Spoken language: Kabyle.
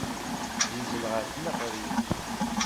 Yuzzel ɣer tneɣrit.